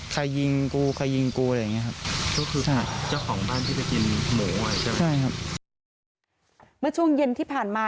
ใครยิงกูยิงกูอะไรอย่างนี้ครับ